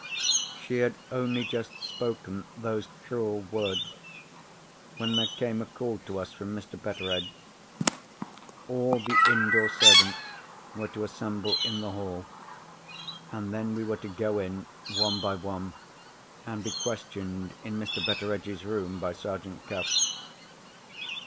"She had only just spoken those cruel words when there came a call to us from Mr. Betteredge. All the indoor servants were to assemble in the hall. And then we were to go in, one by one, and be questioned in Mr. Betteredge's room by Sergeant Cuff.